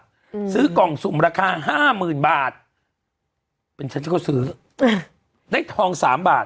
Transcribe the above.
อืมซื้อกล่องสุ่มราคาห้าหมื่นบาทเป็นฉันฉันก็ซื้ออืมได้ทองสามบาท